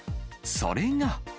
それが。